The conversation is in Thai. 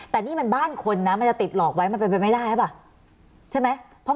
แต่นี่มันบ้านคนนะมันจะติดหลอกไว้มันเป็นไปไม่ได้หรือเปล่าใช่ไหม